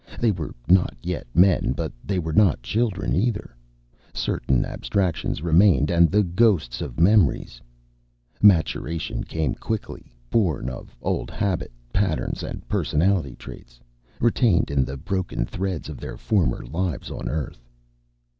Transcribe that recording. They were not yet men; but they were not children either. Certain abstractions remained, and the ghosts of memories. Maturation came quickly, born of old habit patterns and personality traits, retained in the broken threads of their former lives on Earth.